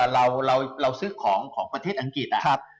เราซื้อของอังกฤษ